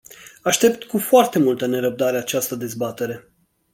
Aștept cu foarte multă nerăbdare această dezbatere.